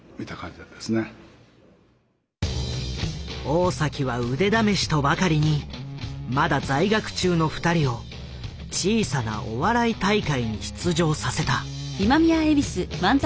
大は腕試しとばかりにまだ在学中の二人を小さなお笑い大会に出場させた。